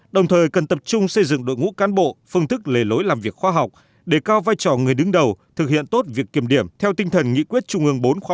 đồng thời cần tập trung xây dựng đội ngũ cán bộ phương thức lề lối làm việc khoa học đề cao vai trò người đứng đầu thực hiện tốt việc kiểm điểm theo tinh thần nghị quyết trung ương bốn khóa một mươi